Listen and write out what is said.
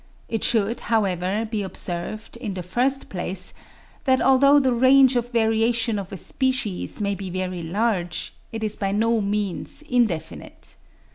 It should, however, be observed, in the first place, that although the range of variation of a species may be very large, it is by no means indefinite.